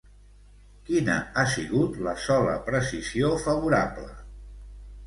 Quina ha sigut la sola precisió favorable?